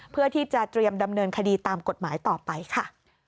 เพื่อที่จะเตรียมดำเนินคดีตามกฎหมายต่อไปค่ะ